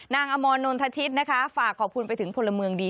อมรนนททิศนะคะฝากขอบคุณไปถึงพลเมืองดี